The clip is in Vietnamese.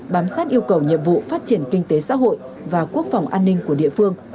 bám sát yêu cầu nhiệm vụ phát triển kinh tế xã hội và quốc phòng an ninh của địa phương